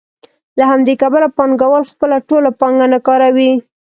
له همدې کبله پانګوال خپله ټوله پانګه نه کاروي